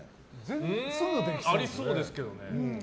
ありそうですけどね。